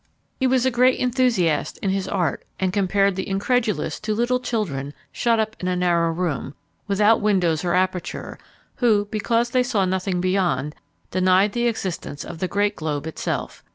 He was a great enthusiast in his art, and compared the incredulous to little children shut up in a narrow room, without windows or aperture, who, because they saw nothing beyond, denied the existence of the great globe itself.